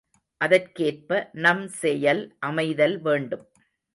அதற்கேற்ப நம் செயல் அமைதல் வேண்டும்.